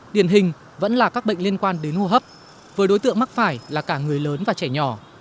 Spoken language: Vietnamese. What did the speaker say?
điển hình vẫn là các bệnh liên quan đến hô hấp với đối tượng mắc phải là cả người lớn và trẻ nhỏ